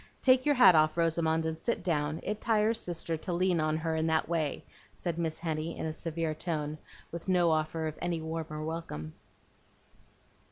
Take your hat off, Rosamond, and sit down. It tires Sister to lean on her in that way," said Miss Henny in a severe tone, with no offer of any warmer welcome.